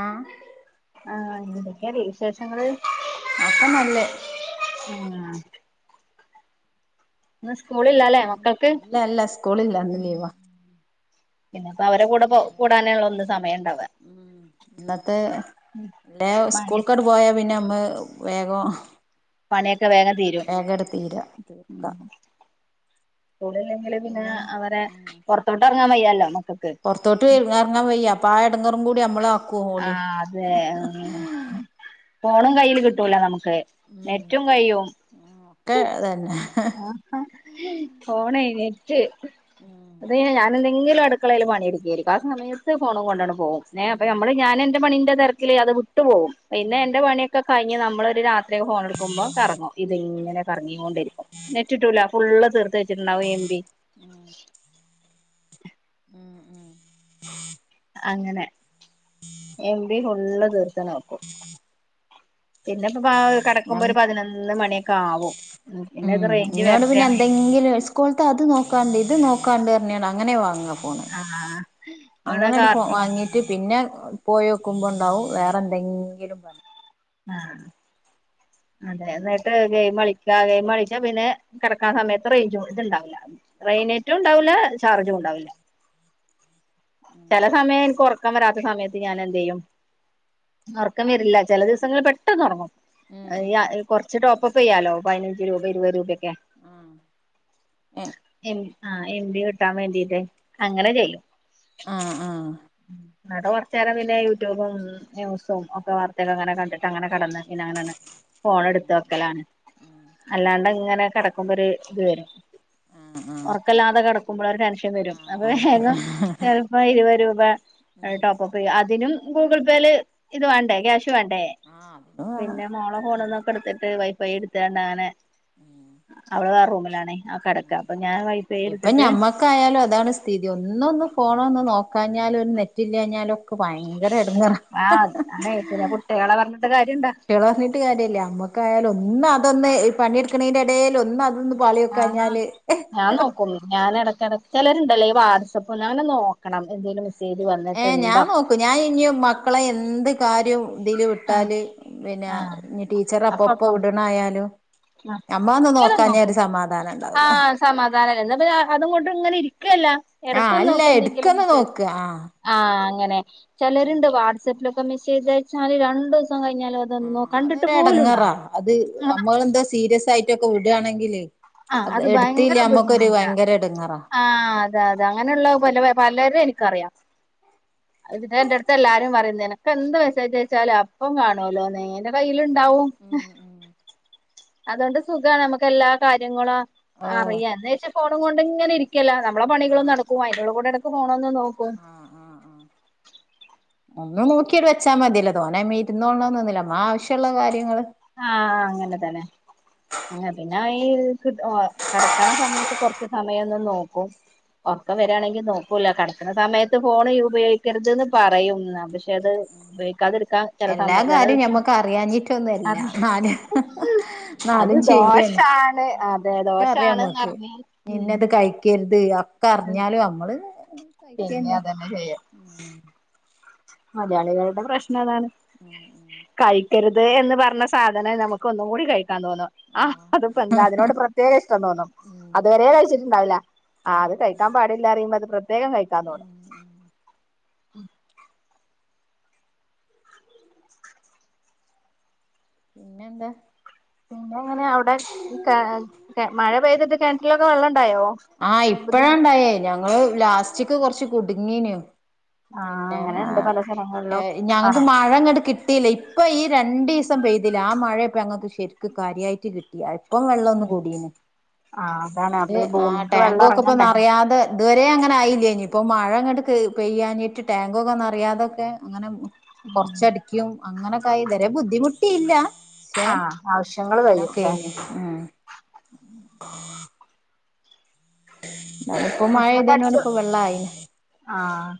ആഹ ആഹ ഇങ്ങന്തൊക്കെയല്ലേ വിശേഷങ്ങള് അപ്പൊ നല്ലേ ഉം നമസ്ക സ്ളില്ലല്ലേ മക്കൾക്ക് ഇല്ല ഇല്ല സ്കൂളില്ല ഇന്ന് ലീവാ പിന്നെ ഇന്നത്തെ ഇല്ല പണി സ്കൂൾക്കട്ട് പോയ പിന്നെ നമ്മ വേഗം പണിയൊക്കെ വേഗം തീരും വേഗട് തീര തീർക്ക സ്കൂളല്ലെങ്കിൽ പിന്നെ അവരെ പുറത്തോട്ട് അങ്ങൻയല്ല പുറത്തോട്ട് വറാൻ വയ്യ അപ്പൊ ആട കൂടി നമ്മൾ ആഹ അതെ ഫോണ കയിൽ കിട്ടൂല നമുക്ക് െ ഉം നെറ്റും കയും ഒക്കെ അതന്നെ ആഹ പോോണ പിിട്ട ഉം അതെ ഞാനന്തെ എന്തെങ്കിലും അടുക്കളയിൽ പണി എടുക്കയ്ക്കാരം ആ സമയത്ത് ഫോണും കൊണ്ടാണ്ട് പോ പോകും ഞാ അപ്പൊ ഉം നമ്മള് ഞാൻ പണിന്റെ തെരക്കിൽ അത് വി ട്ട് പോവും പിന്നെ ഉം ഉം എന്റെ പണിയൊക്കെ കഴിഞ് നമ്മളൊരു രാത്രിയൊക്കെ ഫോൺ എടുക്കുമ്പോൾ കറങ്ങും ഇതിങ്ങനെ പറഞ്കൊണ്ടിരിക്കും നെറ്റ് കിട്ടൂല ഫുള്ള് തീർത്ത തീർത്ത് വെച്ചിട്ടിട്ടുണ്ടാകും യം ബി ഉം ഉം അങ്ങനെ യം ബി ഫുള്ള് തീർത് [unintelligible] ആക്കും പിന്നെ ഇപ്പാ ഞാൻ കിടക്കുമ്പോ ഒരു പതിനൊന്ന് മണിയൊക്കെ ആവും പിന്നെ ഉം ഇത് റേഞ്ച് ഇന്നോട് വരട്ടെ പിന്നെ എന്തെങ്കിലും സ്കൂൾത്തെ അത് നോക്കാണ്ട് ഇത് [unintelligible] അങ്ങനെ വാങ്ങാ ഫോണ് ആ ഇവിടെ അങ്ങനെ അട് കാർട്ടൂൺ ഫോവാങ്ങിട്ട് പിന്നെ പോയോക്കുമ്പോണ്ടാവും വേറെന്തെങ്കിലും പ ആ അതെ ന്നിട്ട് ഗെയിമളിക്ക ഗെയിം കളിച്ച പിന്നെ കിടക്കാൻ സമയത്ത് റയിഞ്ച് ഇത്ണ്ടാവൂല്ല റെയിനേറ്റും ഉണ്ടാവൂല ചാർജും ഉണ്ടാവൂല്ല ചെല ഉം സമയം എനിക്ക് ഉറക്കം വരാത്ത സമയത്ത് ഞാൻ എന്ത് ചെയ്യും ഒറക്കം വരില്ല ചെല ദിവസങ്ങളില് പെട്ടെന്ന് ഒറങ്ങും ഇ ഉം [unintelligible] കൊറച്ച് ച്ചു ടോപ്പപ്പ് ചെയ്യാലോ പതിനഞ്ച് രൂപ ഇരുപത് രൂപൊക്കെ ആഹ് ഏഹ് ആ എംബി കിട്ടാൻ വേണ്ടീട്ട് അങ്ങനെ ചെയ്യും ആ ആ ഇന്നിട്ട് കൊറചേരം പിന്നെ യൂട്യൂബും, ന്യൂസും ഒക്കെ വാർത്തക്കെ അങ്ങനെ ഉം കണ്ടിട്ട് അങ്ങനെ കിടന്ന് പിന്നെ അങ്ങനെയാണ് ഫോണ് ഉം എടുത്ത് ഉം വെക്കലാണ് ഉം അല്ലാണ്ട് ഇങ്ങനെ കെടക്കുമ്പോ ഒരു ഇത് വരും ആഹ് ആഹ് ഉറക്കല്ലാതെ കിടക്കുമ്പോൾ ഒരു ടെൻഷൻ വരും. ആഹ് അപ്പം ആയിട്ട് വേഗം ചെല അപ്പൊ ഇരുപത് രൂപ ഉം ടോപ്പപ്പ് ചെയ്യും അതിനും ഗൂഗിൾ പേയില് ഇത് വേണ്ടേ ക്യാഷ് വാണ്ടേ ആഹ് അതിന് വേണം പിന്നെ മോളോ ഫോണൊന്നൊക്കെ എടുത്തിട്ട് വൈഫൈ എടുത്താണ്ട് അങ്ങനെ ഉം അവള് വേറെ റൂമിലാണേ ആ കെടക്ക ഉം അപ്പ ഇപ്പൊ ഞമ്മക്കായാലും അതാണ് സ്ഥിതി ഒന്ന്ഒന്ന് ഫോണ് ഒന്ന് നോക്ക കാഞ്ഞാലും ഒരു നെറ്റില്ലാഞ്ഞാലും ഒക്കെ ഭയങ്കര ആ അത എടങ്ങേറാ അതെ പിന്നെ കുട്ട്യാളെ പറഞ്ഞി കുട്ടികളെ പറഞ്ഞിട്ട് കാര്യല്ല്യാ നമ്മക്കായാലും ഒന്ന് അതൊന്ന് പണിട്ക്കെണെന്റെ എടലൊ അതൊന്ന് പാളി ആഹ് നോക്കാഞ്ഞാല് ചിലരുണ്ടല്ലേ വാട്സആപ്പ് അങ്ങനെ നോക്കണം എന്തേലും മെസ്സേജ് ഏ ഞാൻ വന്നിട്ടുണ്ടോ നോക്കും ഞാൻ ഇനി മക്കളെ എന്ത് കാര്യവും ഇതില് ആഹ് വിട്ടാല് പിന്നെ ആഹ് ഇനി ടീച്ചർ അപ്പപ്പ അപ്പപ്പം വിടണായാലും ആഹ് നമ്മ ഒന്ന് നോക്കാഞ്ഞ ഒരു സമാധാനം ഇണ്ടാവൂല [unintelligible] അതുകൊണ്ട് ഇങ്ങനെ ഇരിക്കും ത്രല്ല ആഹ് എടക്കെന്ന് അല്ല നോക്ക് എന്തെങ്കിലും എടുക്കന്ന് മെസ്സേജ് ഒന്ന് നോക്ക ആഹ് ആ അങ്ങനെ ചിലർണ്ട് വാട്സആപ്പില് മിസെജയച്ചാല് രണ്ട് സം കഴിഞ്ഞാലും അതൊന്നോ ആഹ് കണ്ടിട്ട് അതൊരു പോലുംണ്ടാവുല. എടങ്ങേറാ അത് നമ്മളെന്തോ സീരിയസ് ആയിട്ടൊക്കെ വിടാണെങ്കിലെ ആ അത് ഭയങ്കര ബുദ്ധിമുട്ടാണ് എടങ്ങേറാ ആ ഉം അതെ അതെ അങ്ങനെള്ള പല പലരും എനി ക്കറിയാം എന്റെ അടുത്ത് എല്ലാരും പറയും നിനക്ക് എന്ത് മെസേജ് അയച്ചാലും അപ്പ കാണുല്ലോ കയ്ല് ഉണ്ടാവും അതുകൊണ്ട് സുഖമാണ് നമുക്ക് എല്ലാ കാര്യങ്ങളാ ഓഹ് അറിയ എന്ന് വെച്ചപ്പോ ഫോണും കൊണ്ട് ഇങ്ങന ഇരിക്കും നമ്മെ പണികള നടക്കും അതിനുള്ള കൂടെ പോ ആ ആ ആ ഒന്നും നോക്കിട്ട് വെച്ചാ മതിയല്ല തോനെ അതിൻമേ ഇരുന്നോണ്ടോന്നൊന്നുമില്ല ആവശ്യം ആ അങ്ങനെ തന്നെ അനെ പിന്നെ ഉ കിടക്കണ സമയത്ത് കൊറച്ച് സമയൊന്നും നോക്കും ഉറക്കം വരായാണെങ്കിൽ നോക്കൂല്ല കിടക്കുന്ന സമയത്ത് ഫോൺ ഉപയോഗിക്കരുത്ന്ന് പറയും പക്ഷെ അത് ഉപയോഗിക്ക എല്ലാ കാര്യം ഞമ്മക്ക് അറിയ ഒന്നുംല്ല ന അത് നാലും ചെയ്യ ദോഷാണ് അതെ ഒക്കെ അറിയ ദോഷാണ്ന്ന് നമ്മക് അറിഞ്ഞ് നിന്നത് കഴിക്കരുത് റിഞ്ഞാലും നമ്മള് പിന്നെ കഴിക്കന്നെ അതന്നെ ചെയ്യാം ഉം മലയാളികളടെ പ്രശ്നം താണ് ഉം ഉം കായി കഴിക്കരുത് എന്ന് പറഞ്ഞ സാധനം നമുക്ക് ഒന്നും കൂടി കഴിക്കും തോന്നുന്നു ആ ആഹ് അത്പ്പ എന്താ അതിനോട് പ്രത്യേക ഇഷ്ടംന്ന് തോന്നും ഉം അത് വരരെ കഴിച്ചിട്ടുണ്ടാവില്ല ആ് അത് കഴിക്കാൻ പാടില്ലാറിയുമ്പോ അത് ത് വേഗം കഴിക്കാൻ തോന്നും ഉം ഉം മ്മ്. പിന്നെ, എന്താ? പിന്നെ? അങ്ങനെ, അവ്ടെ, ഇ ക [unintelligible] മഴ പെയ്തിട്ട് കെ റ്റിലൊക്കെ, വെള്ളം, ഉണ്ടായോ, ബുദ്ധിമുട്ട ങ്ങള്, ലാസ്റ്റ്ക്, കൊറച്ച്, കുട്ങ്ങീന് ആഹ് പിന്നെ അങ്ങനെണ്ട് പല സ്ഥലങ്ങളിലും ഞങ്ങക്ക് ആണ് മഴ ഇങ്ങട്ട് കിട്ടീല്ല ഇപ്പ ഈ രണ്ടീസം പ്പംപെയ്തിലെ ആ മഴയെപ്പം ഞങ്ങക്ക് ശരിക്ക് കാര്യായിറ്റ് കിട്ടിയെ ഇപ്പം വെള്ളം ഒന്ന് കൂടീന് ആഹ് അതാണ് അത് അപ്പൊ ഈ ആ ഭൂമിക്ക് വെള്ളം ടാങ്കൊക്കെ ഇപ്പോ ഇറങ്ങണ്ടേ നെറയാതെ ഇതുവരെ അങ്ങനെ ആയില്ലേഞ്ഞ് ഇപ്പൊ മഴ ഇങ്ങണ്ട് കെ പെയ്യാഞ്ഞിട്ട് ടാങ്കൊക്കെ നറയാതൊക്കെ അങ്ങനെ കൊറച്ചടിക്കും അങ്ങനൊക്കെ ആയി ഇത് വരെ ബുദ്ധിമുട്ടിയില്ല ക്ഷെ ആഹ് ആവശ്യങ്ങൾ കഴിയും അങ്ങനൊക്കെ ല്ലേ യിനിം മ് [unintelligible] ഇന്നാലും ഇപ്പൊ മഴ മുറ്റൊക്കെ പെയ്തേനോട് അടിച്ചൊ ഇപ്പൊ വെള്ളായിന് ആഹ്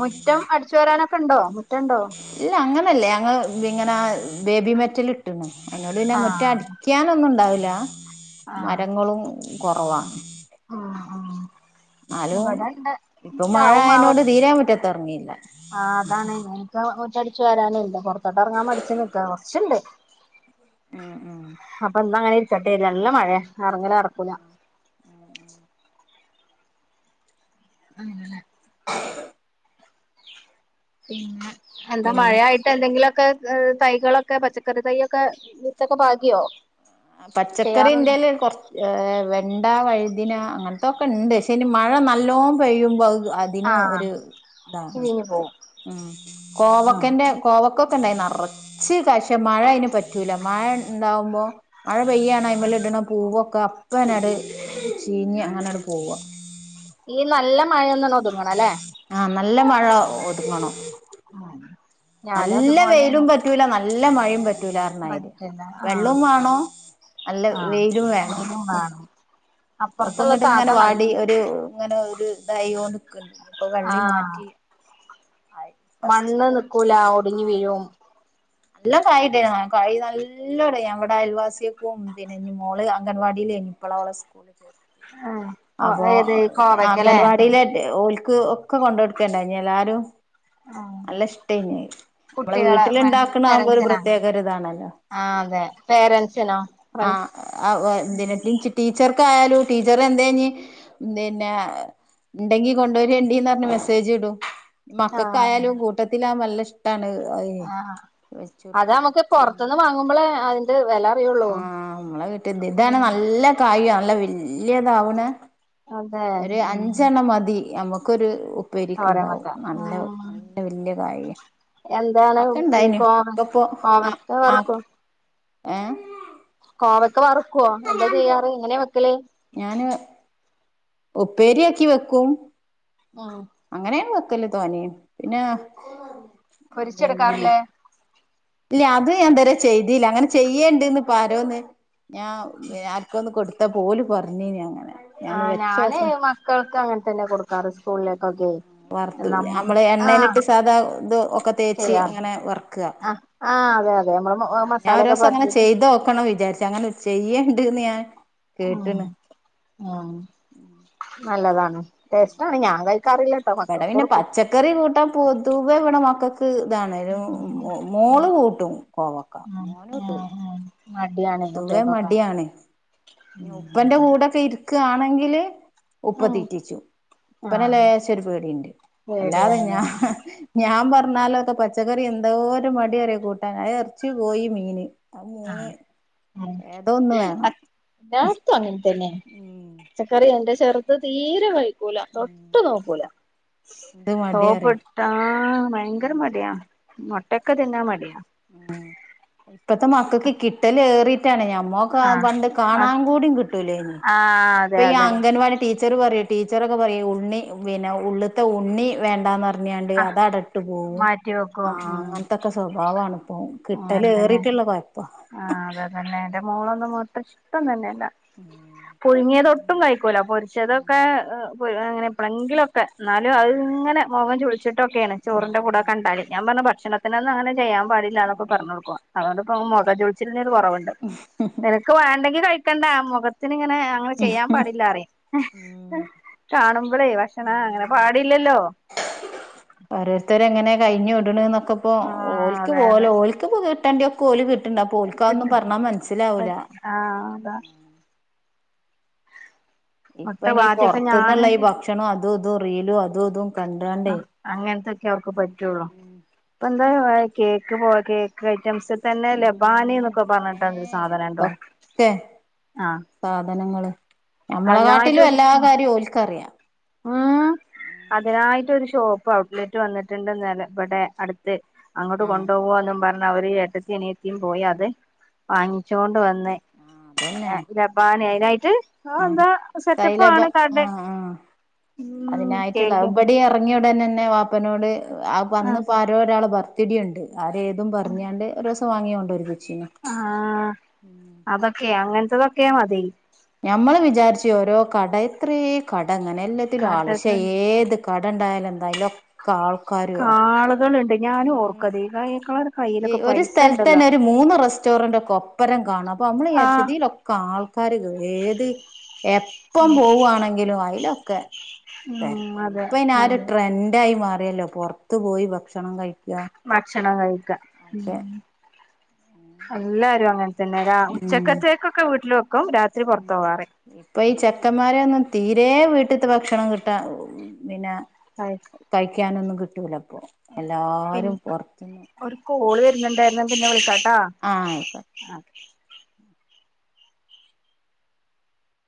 മുറ്റം അടിച്ചു വരാനൊ ക്കെണ്ടോ? ഇല്ല അങ്ങനല്ലേ ഞങ്ങ് ഇങ്ങനെ അഹ് ബേബി മെറ്റൽ ഇട്ട്ണ് അയിനോട് പിന്നെ മുറ്റം ആഹ് അടിക്കാനൊന്നും ഉണ്ടാവെല് [unintelligible] മരങ്ങളും കൊറവാ ആഹ്ആഹ് എന്നാലും ഇപ്പൊ മഴആയതോണ്ട് തീരെ മുറ്റത് ഇറങ്ങിയില്ല [inaudible] മുറ്റംഅടിച്ചു വാരാൻ ഉണ്ട് പുറത്തോട്ട് ഇറങ്ങാൻ മടിച്ചു നിൽക്കാണ് കുറച്ച് ഉണ്ട് ഉം ഉം അപ്പൊ ഇന്നങ്ങനെ നല്ല മഴയ ഇറങ്ങൽ നടക്കൂല അങ്ങനലെ പിന്നെ എന്താ മഴയായിട്ട് എന്തെങ്കിലൊ [unintelligible] തൈകളൊക്കെ പച്ചക്കറിതൈയൊക്കെ വിത്തൊക്കെ പാകിയോ അ ചെയ്യാറുണ്ടോ പച്ചക്കറിന്റേല് കൊറച്ച ഏ വെണ്ടവഴു ഇതിനാഅങ്ങൻ ഇതൊക്കെ ഉണ്ട് പക്ഷേ മഴ നല്ലോം പെയ്യുമ്പോൾ അതിനു ആഹ് ഒരു ഇതാണ് ചീഞ്ഞ് പോവും ഉം ആഹ് കോവക്കന്റെ കോവക്ക ഇണ്ടായിനി നിറച്ച് പക്ഷേ മഴ അയിന് പറ്റൂല മഴ ഇണ്ടാവുമ്പോ മഴ പെയ്യാണ് ആയിമൽ ഇടണ പൂവോ [unintelligible] ചീഞ്ഞ അങ്ങനട് പോവാ മ [unintelligible] ആ നല്ല മഴ ഒതുങ്ങണം ആഹ് ഞാനും നല്ല വെയിലും അതുപോലെയാണ് പറ്റൂല നല്ല നല്ല മഴെം പറ്റ് ട്ട് ലാ റണായ്രി പറ്റില്ല ആഹ് വെള്ളോം വാണോ നല്ല ആഹ് വെയിലും വേണോ വെയിലും വേണം ഇപ്പൊ അപ്പുറത്തുള്ള ഇങ്ങട്ട് ഇങ്ങനെ താത്ത നല്ല വാടി ഒരു ഇങ്ങനെ ഒരു തായി കോണ്ട് ഇപ്പൊ കള്ളി ആഹ് മാറ്റി ആയി മണ്ണ് ഫസ്റ്റില് നിക്കൂല ഒടിഞ് വീഴും നല്ലാം കായിണ്ടായിനി ഞാൻ കഴി നല്ലോ കായിടേനു [unintelligible] കായി കായി നല്ലോ ഞാ ഇവിടെ അയൽ വാസ്യേക്കും പിന്നെ മോള് അംഗൻവാടിയിലേനി ഇപ്പള അവളെ സ്കൂള് ചേർത്തി ആഹ് അപ്പൊ ഏത് കോവക്കല്ലേ അംഗൻവാടിയിലെ [unintelligible] ഓല്ക് ക്ക് ഒക്കെ കൊണ്ടയ് കൊടുക്കല്ണ്ടായിനി എല്ലാരും നല്ല ഇഷ്ടേനി നമ്മള് കുട്ടികളെ ഫ്രണ്ട്സ് വീട്ടില്ണ്ടാക്ക ഇന്നാകൊര് പേരൻസിനാ പ്രേത്യേക ഒരു ഇതാണല്ലോ ആഹ് അതെ [unintelligible] പേരൻസിനോ ഫ്രണ്ട്സ് ആഹ് [unintelligible] ടീച്ചർക്കായാലു ടീച്ചറെന്തേ ഞ് പിന്നെ ഇണ്ടെങ്കി കൊണ്ടേരണ്ടീന്ന് അറ്ഞ്ഞ് മെസ്സേജ് ഇടും ആഹ് മക്കക്കായാലും കൂട്ടത്തിലാവുമ്പ നല്ല ഇഷ്ടാണ് തായേ അത നമ്മുക്ക് പോറത്ത്ന്ന് വാങ്ങുമ്പോളെ അതിന്റെ വേല ആ നമ്മളെ വീട്ടിദി ഇതാണ് നല്ല കായാണ് നല്ല വല്യതാവണ് അതെ ഒരു ഉം അഞ്ചെണ്ണം മതി യമുക്കൊര് ഉ ഉപ്പരിക് തോരൻ ണ്ടാവും വെക്കാ നല്ല ആഹ് നല്ല വല്യ കായിയ എന്താണ് ഏ കോവ കോവക്ക വർക്കോ ഏ കോവക് ക്കാ വറുക്കോ എന്താ ചെയ്യാറ് എങ്ങനെ വെക്കല് ഞാന് ഉപ്പേരിയാക്കി വെക്കും ഉം അങ്ങനെയും വെ ക്കല്ല് തനിം പിന്നെ പിന്നെ പൊരിച്ചെടുക്കാറില്ലേ? ഇല്ല അത് ഞാനിതരെ ചെയ്തിയില്ല അങ്ങനെ ചെയ്യേണ്ടന്ന് പ്പോ ആരോന്ന് ഞാൻ പിന്നെ ആർക്കൊന്ന് കൊട് തൊക്കെ ഓല് പർഞ്ഞീനി അങ്ങനെ. ആ ഞാനൊന്ന് ഞാന് വെച്ചോക്ക മക്കൾക്ക് അങ്ങൻതന്നെ കൊടുക്കാറ് സ്കൂളിലേക്കൊക്കെ വറുത്ത് നം നമ്മള് ആ എണ്ണയിലിട്ട് സാധാ ഇത് ഒക്കെ തേച്ച് ശെരിയ അങ്ങനെ വറക്കുക അ ആ അതെ അതെ നമ്മള് മസാലൊക്കെ പൊരട്ടിട്ട്. പ്പോ വിചാരിച് അങ്ങനെ ചെയ്യണ്ട്ന്ന് ഞാൻ ഉം കേട്ട്ണ്. ഉം നല്ലതാണ് ടേസ്റ്റാണ് ഞാൻ കയ് ബടെ പിന്നെ പച്ചക്കറി കൂട്ട പൊതുവെ ഇവടെ മക്കക് ത് താണേലും മോ മോള് കൂട്ടും കോവക്ക ഉം മോൻ കൂട്ടുല. ഉം ഉം മടിയാണ് പൊതുവെ കുട്ടികൾക്കൊക്കെ മടിയാണ് നി ഉപ്പന്റെ കൂടൊക്കെ ഇര് ക്കാ ആണെങ്കില് ഉപ്പ ഉം തീറ്റിച്ചു ഇപ്പനെ ആഹ് ലേശോരു പേടിണ്ട് അല്ലാതെ ഞാ പേടിയാണല്ലേ ഞാൻ പർഞ്ഞാലൊകെ പച്ചക്കറി എന്തോരു മടി അറിയോ കൂട്ടാൻ അ എർച്ചി കോയി മീന് ആ മൂന്ന് ഏതോ ഒന്ന് വേണം എല്ലാടത്തും അങ്ങ [unintelligible] ഉം പചക്കറി എന്റെ ചെർത് തീരെ വയ് [unintelligible] തൊട്ട് നോക്കൂല എന്ത് സോപ്പ്‌ മടിയാറിയോ ട്ടാ ഭയങ്കര മടിയാ മുട്ടക്കെ തിന്നാൻ മടിയാ ഇപ്പത്തെ മക്കക്ക് കിട്ടല് ഏറി [unintelligible] ഞമ്മക്ക് ആ ആഹ് പണ്ട് അത് കാണാൻ കൂടി കിട്ടൂല്യേനി ആഹ് അതെ ഇപ്പൊ ഈ അതെ അംഗൻവാടി ടീ [unintelligible] പറയും ടീച്ചറൊക്കെ പറയും ഉണ്ണി പിന്നെ ഉള്ള്ത്തെ ഉണ്ണി വേണ്ടാന്ന് പ [unintelligible] ആഹ് അത് ആടെട്ട് പോവും. മാറ്റി വെക്കും ആഹ് ഉം അങ്ങന് ത്തൊക്കെ സ്വഭാവാണ്. പ്പോവും അങ്ങനെ തന്നെ കിട്ടലേറീട്ട്ള്ള കൊയപ്പ ആഹ് അത് അതന്നെ എന്റെ മോള് [unintelligible] ഇഷ്ട്ടം തന്നെ [unintelligible] അതാ പുഴുങ്ങ്യത് ഒട്ടും പറഞ്ഞേ കഴിക്കൂല. പൊരിച്ചതൊക്കെ ഉം ഏഹ് [unintelligible] അങ്ങനെ എപ്പളെങ്കിലൊക്കെ ന്നാലും അത് ഇങ്ങനെ മുഖം ചുളിച്ച് [unintelligible] ചോറിന്റെ കൂടെ അതന്നെ കണ്ടാല് ഞാൻ പറഞ്ഞു [unintelligible] ക്ഷണത്തിനൊന്നങ്ങനെ ചെയ്യാം പാടില്ലാനൊക്കെ പറഞ്ഞൊട്ക്കും അതോണ്ട്പ്പോ മൊ ഖം ചുളിച്ചിൽ ക്കലിനൊര് കൊറവ്ണ്ട് നിനക്ക് വേണ്ടെങ്കിൽ കഴി ക്കണ്ടാ മൊഖത് ത്ത്ങ്ങനെ അങ്ങനെ ചെയ്യാൻ പാടില്ലാറീം ഉം കാണുമ്പളേ ഭക്ഷണാ അങ്ങനെ ഉം പാടില്ലല്ലോ ണ് നൊ [unintelligible] ക്കപ്പോ ആഹ് ഓലക്ക് അതെ അതെ പോലെ ഓല്ക്ക് തപ് തന്റെ കോല് ക് ണ്ട പോൽക്കതൊന്നും കിട്ടും പറഞ്ഞാ മനസ്സിലാവൂല. പറ്റ് ആഹ് അതാ മുട്ട ഇപ്പൊ നീ ആദ്യൊക്കെ പൊറത്ത്ന്ന്ള്ള ഞാനൊക്കെ ഭക്ഷണോം അതൂതും അതൂമ് റീലും അതൂമ്തും ആ അങ്ങനത്തൊക്കെ അവർക്ക് പറ്റൊള്ളൂ പ്പന്ന് കേക്ക് പോ കേക്ക് ഐറ്റംസ് തന്നെ ലബാനി ഉം എന്നൊക്കെ ഏ പറഞ്ഞിട്ടൊര് സാധനണ്ടോ എന്തൊക്കെ ആഹ് ങ്ങമ്മളെ കാട്ടിലും എല്ലാ കാര്യവും ഓൽ ക്കറിയാം ഹൂം അതിനായിട്ടൊര് ഷോപ്പ് ഔട്ട്ലെറ്റ് വന്ന്ട്ട്ണ്ട് ഇവടെ അട് ത്ത് അങ്ങട്ട് ആഹ് കൊണ്ടോവോന്നും പ അവര് ഏട്ടത്തീം അനിയത്തീം പോയി അത് വാങ്ങിച്ചൊണ്ട് വന്ന് ആഹ് അതന്നെ ലബാനി നായിട്ട് ആഹ് എന്താ സെറ്റപ്പാണ് കടേ അതിനായിട്ടുള്ളപടി ഇറങ്ങിയ ഉടൻ തന്നെ വാപ്പനോട് ആ ആഹ് വന്നപ്പോ ആരോ ഒരാള് ഭർത്ത- തിടിയുണ്ട് ആരേതും പറഞ്ഞാണ്ട് ഒരു വാങ്ങിക്കൊണ്ടിരി ആഹ അതൊക്കെ അങ്ങനെ ഇതൊക്കെ മതി ഞമ്മള് വിചാരിച്ച ഓരോ കടത്രീ കട അങ്ങനെ എല്ലാത്തിലും ആൾ കാട്ടക്കറി ഏത് കട ഉണ്ടായാല എന്താലലോ കാളകള് ഉണ്ട ഞാന് ഉം ഓർക്കത് വേ ആ ഒരു സ്ഥലത്ത് തന്നെ ഒരു മൂന്ന് റെസ്റ്റോറന്റ് ഒക്കെ ഒപ്പരം കാണും അപ്പൊ നമ്മള് ആഹ് വിചാരിച്ചുതിലൊക്കെ ആൾക്കാര് ഏത് എപ്പം ഉം പോവുവാണെങ്കിലും അതില ക്കെ ഉം തെരക്ക അതെ ഇപ്പ ഇ ആ ഒരു അതെ ട്രെൻഡ ആയി മാറ അല്ലോ പുറത്ത് പോയി ഭക്ഷണം കഴി- ഭക്ഷണം കഴി ക്ക അല്ല അങ്ങനെ തന്നെ ര ഉം ഉച്ചക്കത്തേക്കൊക്കെ വീട്ടില് വെക്കു രാത്രി പുറത്ത പോവാറ് അപ്പോൾ ഈ ചെക്കന്മാരെ ഒന്നും തീരെ വീട്ടിലത്ത് ഭക്ഷണം കിട്ടാ ഉം പിന്നെ ആയി തയ്ക്കാനൊന്നും കിട്ടൂലപ്പോ പിന്നെ ഒരു കോള് വരുന്നുണ്ടായിരുന്നു പിന്നെ വിളിക്കാട്ടാ ആ ആയിക്കോട്ടെ അതെ